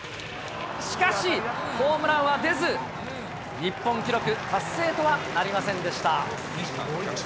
しかし、ホームランは出ず、日本記録達成とはなりませんでした。